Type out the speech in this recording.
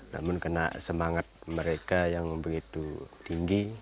namun kena semangat mereka yang begitu tinggi